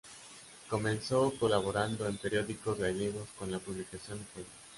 Comenzó colaborando en periódicos gallegos con la publicación de poemas.